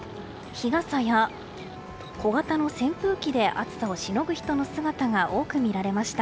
日傘や小型の扇風機で暑さをしのぐ人の姿が多く見られました。